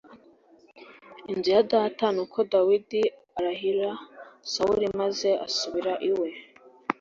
inzu ya data Nuko Dawidi arahira Sawuli maze asubira iwe